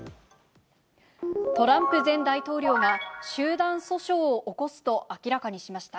トランプ前大統領が、集団訴訟を起こすと明らかにしました。